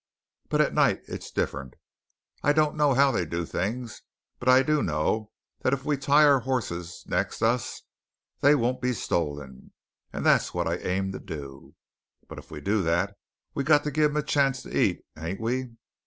But at night it's different, I don't know how they do things. But I do know that if we tie our hosses next us, they won't be stolen. And that's what I aim to do. But if we do that, we got to give them a chance to eat, hain't we?